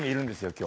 今日。